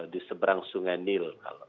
di seberang sungai nil